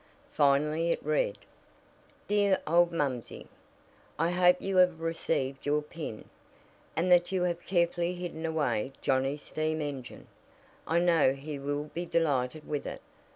Finally it read: "DEAR OLD MUMSEY: I hope you have received your pin, and that you have carefully hidden away Johnnie's steam engine. I know he will be delighted with it.